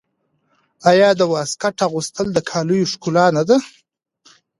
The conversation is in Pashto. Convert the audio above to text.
آیا د واسکټ اغوستل د کالیو ښکلا نه ده؟